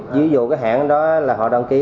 ví dụ cái hãng đó là họ đăng ký